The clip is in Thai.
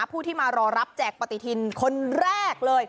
ผู้ที่มารอรับแจกปฏิทินคนแรกเลย